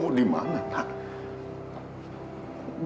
kamu dimana nak